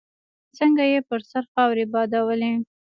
څنګه يې پر سر خاورې بادولې.